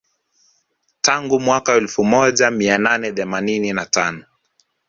Tangu mwaka elfu moja mia nane themanini na tano